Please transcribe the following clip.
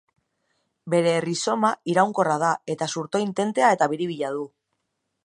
Bere errizoma iraunkorra da eta zurtoin tentea eta biribila du.